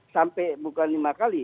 sampai bukan lima kali